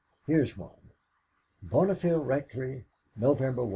Here's one: "'BOURNEFIELD RECTORY, "'November 1.